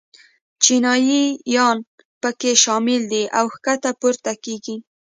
چینایي ین په کې شامل دي او ښکته پورته کېږي.